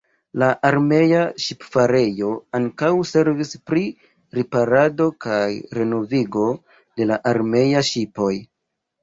La armea ŝipfarejo ankaŭ servis pri riparado kaj renovigo de la armeaj ŝipoj.